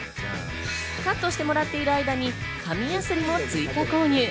カットしてもらっている間に紙やすりも追加購入。